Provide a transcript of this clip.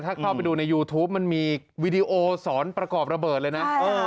ถ้าเข้าไปดูในยูทูปมันมีวีดีโอสอนประกอบระเบิดเลยนะ